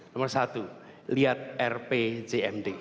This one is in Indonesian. nomor satu lihat rpjmd